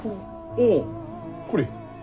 おおこれ。